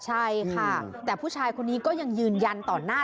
ใช่ค่ะแต่ผู้ชายคนนี้ก็ยังยืนยันต่อหน้า